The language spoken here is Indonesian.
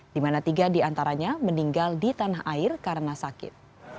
dimana tiga diantaranya meninggal di tanah air karena sakit